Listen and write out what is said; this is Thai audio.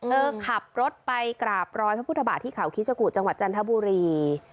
เธอขับรถไปกราบรอยพระพุทธบาทที่เขาคิสกุจังหวัดจันทบุรี